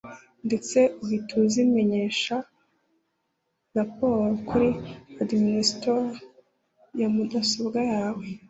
ndetse uhite uzimenyesha (report) kuri (administrator) ya mudasobwa yawe